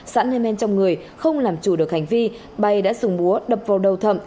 sẵn hề men trong người không làm chủ được hành vi bay đã dùng búa đập vào đầu thậm